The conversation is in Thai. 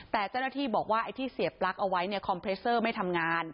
แต่เจ้าหน้าที่บอกว่าไอ้ที่เสียปลั๊กเอาไว้เนี่ยคอมเพรสเซอร์ไม่ทำงาน